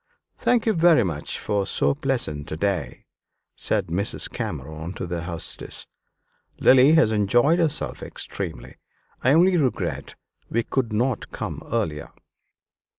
"Thank you much for so pleasant a day," said Mrs. Cameron to the hostess. "Lily has enjoyed herself extremely. I only regret we could not come earlier."